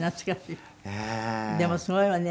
でもすごいわね。